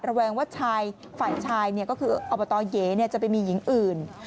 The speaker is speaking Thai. แวงว่าชายฝ่ายชายก็คืออบตเย๋จะไปมีหญิงอื่น